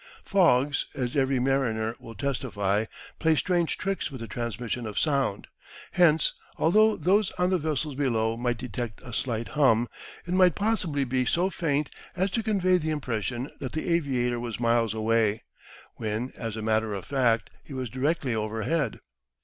Fogs, as every mariner will testify, play strange tricks with the transmission of sound. Hence, although those on the vessels below might detect a slight hum, it might possibly be so faint as to convey the impression that the aviator was miles away, when, as a matter of fact, he was directly overhead.